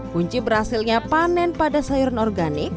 kunci berhasilnya panen pada sayuran organik